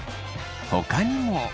ほかにも。